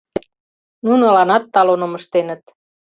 Нуныланат талоным ыштеныт.